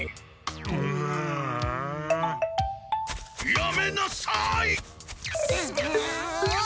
やめなさい！